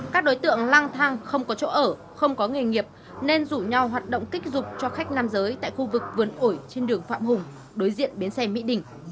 các đối tượng lang thang không có chỗ ở không có nghề nghiệp nên rủ nhau hoạt động kích dục cho khách nam giới tại khu vực vườn ủi trên đường phạm hùng đối diện bến xe mỹ đình